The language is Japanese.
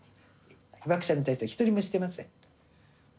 被爆者に対しては一人もしてません。